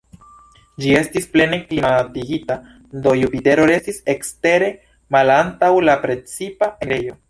Ĝi estis plene klimatigita, do Jupitero restis ekstere malantaŭ la precipa enirejo.